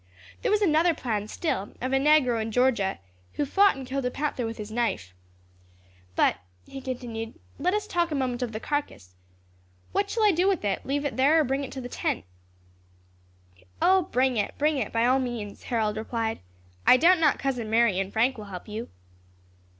There was another plan still, of a negro in Georgia, who fought and killed a panther with his knife. But," he continued, "let us talk a moment of the carcass. What shall I do with it; leave it there or bring it to the tent?" "O, bring it, bring it, by all means," Harold replied; "I doubt not Cousin Mary and Frank will help you."